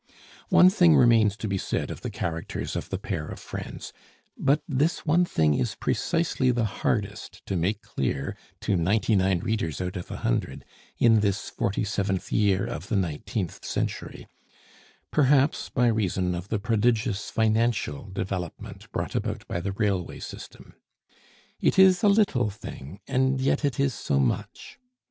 One thing remains to be said of the characters of the pair of friends; but this one thing is precisely the hardest to make clear to ninety nine readers out of a hundred in this forty seventh year of the nineteenth century, perhaps by reason of the prodigious financial development brought about by the railway system. It is a little thing, and yet it is so much.